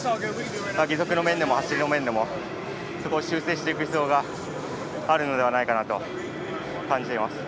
義足の面でも、走りの面でもそこを修正していく必要があるのではと感じます。